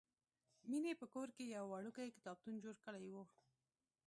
مینې په کور کې یو وړوکی کتابتون جوړ کړی و